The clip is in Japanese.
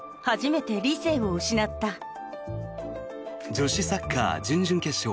女子サッカー準々決勝